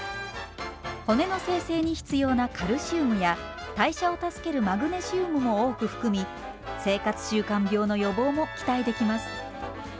骨の生成に必要なカルシウムや代謝を助けるマグネシウムも多く含み生活習慣病の予防も期待できます。